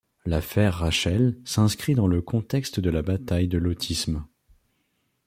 L'affaire Rachel s'inscrit dans le contexte de la bataille de l'autisme.